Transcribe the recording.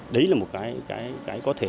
đấy là một cái có thể